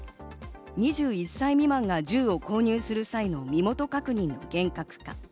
２１歳未満が銃を購入する際の身元確認を厳格化。